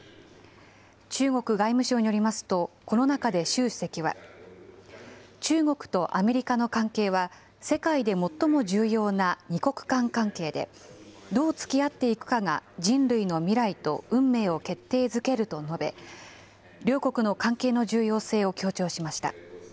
中国外務省によりますと、この中で習主席は、中国とアメリカの関係は、世界で最も重要な２国間関係で、どうつきあっていくかが人類の未来と運命を決定づけると述べ、両国の関係の重要性を強調しました。